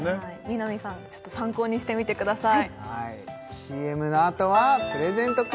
南さんも参考にしてみてください